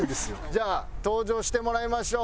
じゃあ登場してもらいましょう。